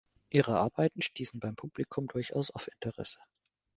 Ihre Arbeiten stießen beim Publikum durchaus auf Interesse.